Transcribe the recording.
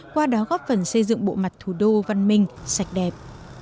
qua đó góp phần xây dựng bộ mặt thủ đô văn minh sạch đẹp